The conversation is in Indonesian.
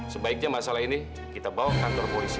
sebaiknya masalah ini kita bawa ke kantor polisi